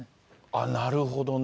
なるほどね。